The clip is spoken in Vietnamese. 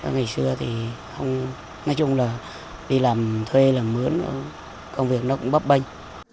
ngày xưa thì nói chung là đi làm thuê làm mướn công việc nó cũng bấp bênh